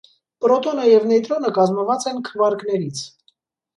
Պրոտոնը և նեյտրոնը կազմված են քվարկներից։